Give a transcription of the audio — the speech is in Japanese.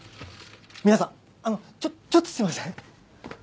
皆さんあのちょっとすみません。